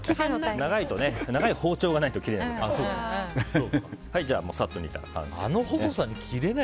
長い包丁がないと切れない。